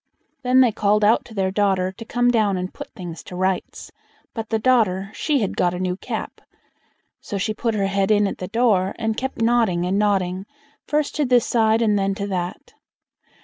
Then they called out to their daughter to come down and put things to rights; but the daughter, she had got a new cap; so she put her head in at the door, and kept nodding and nodding, first to this side, and then to that.